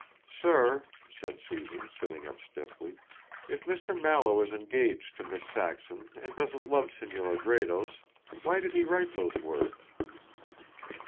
Sir," said Susan, sitting up stiffly, "if Mr. Mallow is engaged to Miss Saxon and doesn't love Senora Gredos, why did he write those words?"